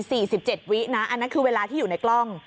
ตี๔๑๗วินาทีอันนั้นคือเวลาที่อยู่ในกล้อง